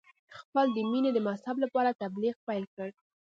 خپل د مینې د مذهب لپاره تبلیغ پیل کړ.